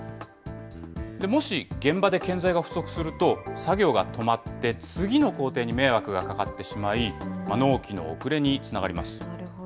もし現場で建材が不足すると、作業が止まって、次の工程に迷惑がかかってしまい、なるほど。